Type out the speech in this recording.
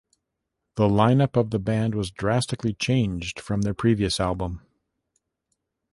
The line-up of the band was drastically changed from their previous album.